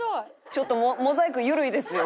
ちょっとモザイク緩いですよ